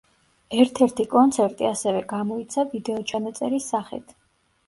ერთ-ერთი კონცერტი ასევე გამოიცა ვიდეოჩანაწერის სახით.